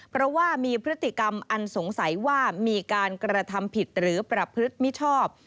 เพราะว่ามีพฤติกรรมอันสงสัยว่ามีการกระทำผิดหรือประพฤติมิชอบ